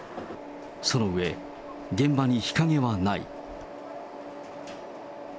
その上、現場に日陰はない。